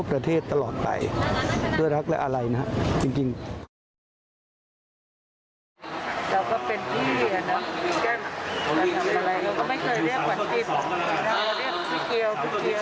ก็รับสารทำวิบัติที่ดีที่สุดแล้ว